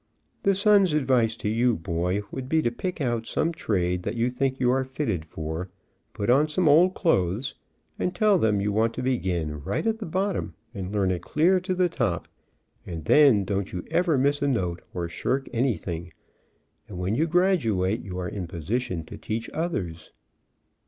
The Sun's advice to you, boy, would be to pick out some trade that you think you are fitted for, put on some old clothes, and tell them you want to begin right at the bottom and learn it clear to the top, and then don't you ever miss a note or shirk anything, and when you graduate you are in position to teach others.